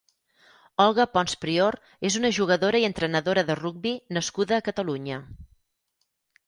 Olga Pons Prior és una jugadora i entrenadora de rugbi nascuda a Catalunya.